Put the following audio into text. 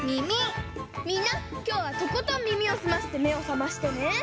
みんなきょうはとことん耳を澄ませてめをさましてね！